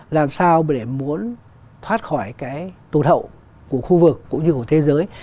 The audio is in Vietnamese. làm sao để muốn thoát khỏi cái tổn hậu của khu vực cũng như của thế giới